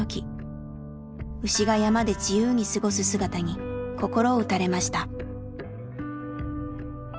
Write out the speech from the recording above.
牛が山で自由に過ごす姿に心を打たれました。